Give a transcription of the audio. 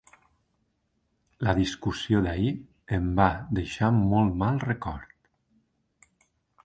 La discussió d'ahir em va deixar molt mal record.